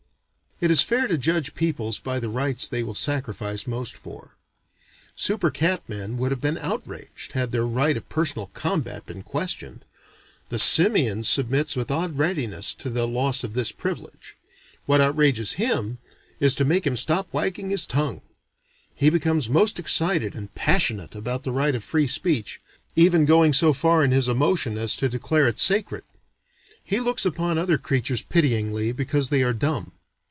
It is fair to judge peoples by the rights they will sacrifice most for. Super cat men would have been outraged, had their right of personal combat been questioned. The simian submits with odd readiness to the loss of this privilege. What outrages him is to make him stop wagging his tongue. He becomes most excited and passionate about the right of free speech, even going so far in his emotion as to declare it is sacred. He looks upon other creatures pityingly because they are dumb.